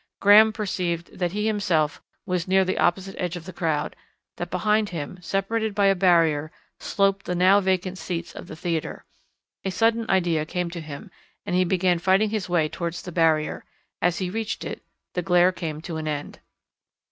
Graham perceived that he himself was near the opposite edge of the crowd, that behind him, separated by a barrier, sloped the now vacant seats of the theatre. A sudden idea came to him, and he began fighting his way towards the barrier. As he reached it the glare came to an end.